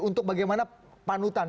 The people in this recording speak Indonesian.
untuk bagaimana panutan